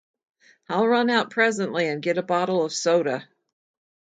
I’ll run out presently, and get a bottle of soda.